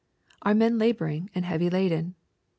— ^Are men laboring and heavy laden